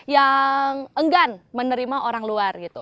yang enggan menerima orang luar gitu